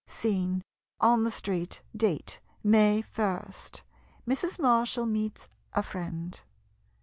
Scene — On the street. Date — May ist. Mrs. Marshall meets a friend.